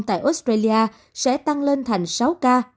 tại australia sẽ tăng lên thành sáu ca